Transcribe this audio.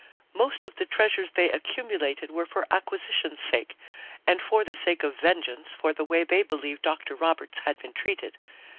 "Most of the treasures they accumulated were for acquisition's sake and for the sake of vengeance for the way they believed Dr. Roberts had been treated.